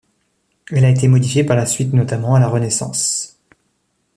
Elle a été modifiée par la suite notamment à la Renaissance.